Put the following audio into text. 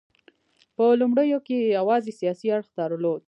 په لومړیو کې یې یوازې سیاسي اړخ درلود.